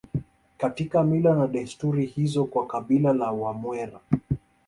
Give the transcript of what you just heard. Katika mila na desturi hizo kwa kabila la Wamwera